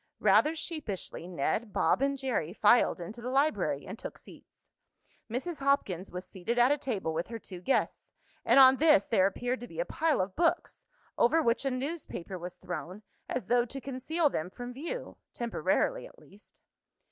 Rather sheepishly Ned, Bob and Jerry filed into the library, and took seats. Mrs. Hopkins was seated at a table with her two guests, and on this there appeared to be a pile of books, over which a newspaper was thrown, as though to conceal them from view, temporarily at least.